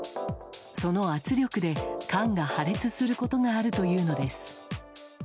その圧力で、缶が破裂することがあるというのです。